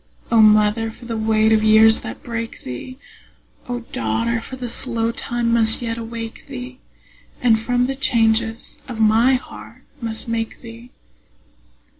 O mother, for the weight of years that break thee! O daughter, for slow time must yet awake thee, And from the changes of my heart must make thee!